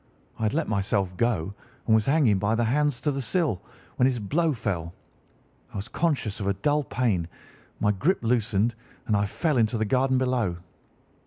I had let myself go, and was hanging by the hands to the sill, when his blow fell. I was conscious of a dull pain, my grip loosened, and I fell into the garden below.